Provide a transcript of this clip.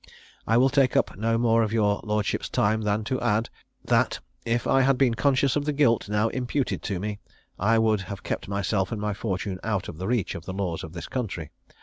"I will take up no more of your lordship's time than to add that, if I had been conscious of the guilt now imputed to me, I could have kept myself and my fortune out of the reach of the laws of this country.